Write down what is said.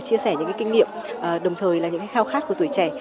chia sẻ những kinh nghiệm đồng thời là những khao khát của tuổi trẻ